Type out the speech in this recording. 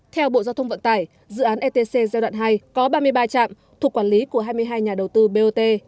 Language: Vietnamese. theo bộ giao thông vận tải dự án etc giai đoạn hai có ba mươi ba trạm thuộc quản lý của hai mươi hai nhà đầu tư bot